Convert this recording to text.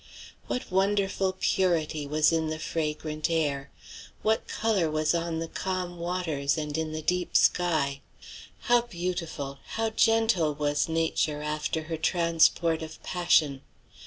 What wonderful purity was in the fragrant air; what color was on the calm waters and in the deep sky; how beautiful, how gentle was Nature after her transport of passion!